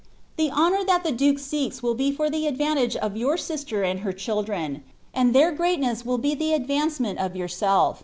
The honour that the duke seeks will be fur die advantage of your sister and her children, and lh«it ffrcatncss will be the advancement of yonrself.